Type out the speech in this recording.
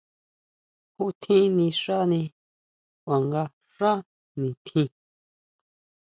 ¿Ju tjín nixani kuanga xá nitjín?